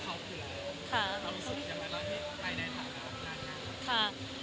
เรามฆาติธรรมในคือไทยในทางนั้นค่ะ